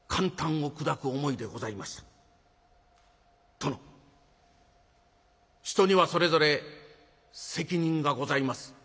殿人にはそれぞれ責任がございます。